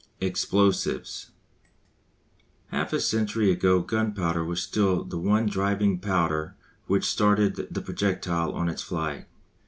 EXPLOSIVES. Half a century ago gunpowder was still the one driving power which started the projectile on its flight.